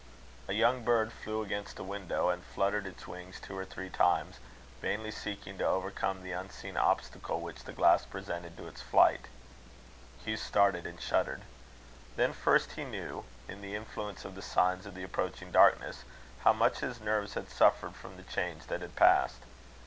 A young bird flew against the window, and fluttered its wings two or three times, vainly seeking to overcome the unseen obstacle which the glass presented to its flight. Hugh started and shuddered. Then first he knew, in the influence of the signs of the approaching darkness, how much his nerves had suffered from the change that had passed.